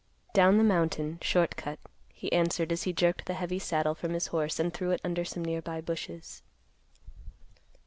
"Down the mountain; short cut;" he answered as he jerked the heavy saddle from his horse and threw it under some nearby bushes.